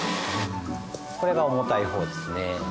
これが重たい方ですね。